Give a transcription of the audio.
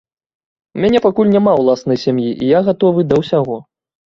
У мяне пакуль няма ўласнай сям'і, і я гатовы да ўсяго.